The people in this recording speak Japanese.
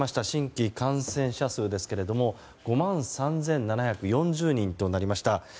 新規感染者数ですけれども５万３７４０人となりました。